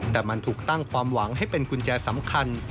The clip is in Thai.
แต่มันถูกตั้งความหวังให้เป็นกุญแจสำคัญ